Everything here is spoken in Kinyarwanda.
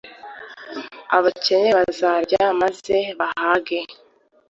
abakene bazarya, maze bahage